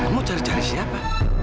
kamu cari cari siapa